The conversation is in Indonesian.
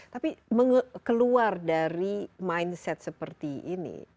tapi keluar dari mindset seperti ini